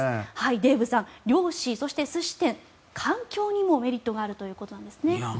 デーブさん、漁師、そして寿司店環境にもメリットがあるということなんですね。